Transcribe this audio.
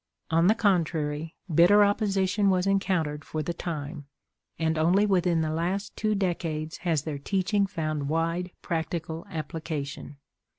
On the contrary, bitter opposition was encountered for the time, and only within the last two decades has their teaching found wide practical application.